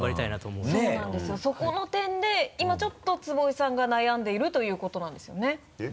そうなんですよそこの点で今ちょっと坪井さんが悩んでいるということなんですよね？